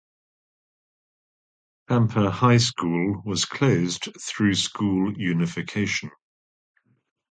Tampa High School was closed through school unification.